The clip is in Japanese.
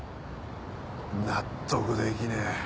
納得できねえ。